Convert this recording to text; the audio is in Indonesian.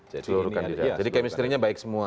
jadi kemistrinya baik semua